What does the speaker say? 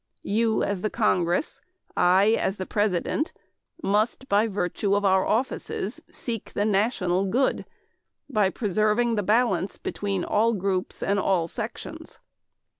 ... You, as the Congress, I, as the President, must by virtue of our offices, seek the national good by preserving the balance between all groups and all sections.